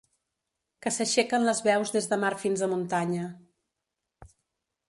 Que s’aixequen les veus des de mar fins a muntanya.